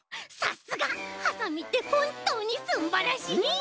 さすがハサミってほんとうにすんばらしい！